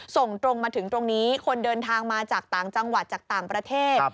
ส่งตรงมาถึงตรงนี้คนเดินทางมาจากต่างจังหวัดจากต่างประเทศ